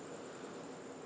terus kenapa pi